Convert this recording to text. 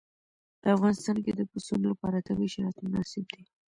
په افغانستان کې د پسونو لپاره طبیعي شرایط مناسب دي.